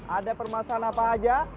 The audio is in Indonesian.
ada permasalahan apa aja